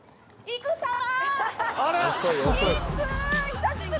久しぶり。